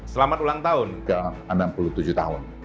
selamat ulang tahun ke enam puluh tujuh tahun